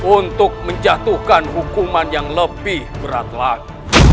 untuk menjatuhkan hukuman yang lebih berat lagi